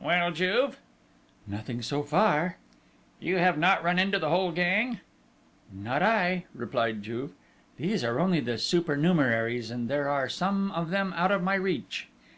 "Well, Juve?" "Nothing, so far...." "You have not run in the whole gang?" "Not I!" replied Juve. "These are only the supernumeraries, and there are some of them out of my reach!...